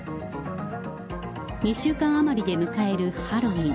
２週間余りで迎えるハロウィーン。